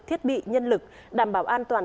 thiết bị nhân lực đảm bảo an toàn